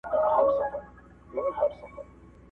څوک چی په اروپا کی اوسیدلي